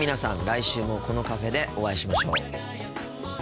来週もこのカフェでお会いしましょう。